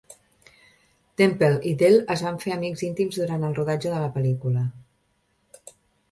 Temple i Dell es van fer amics íntims durant el rodatge de la pel·lícula.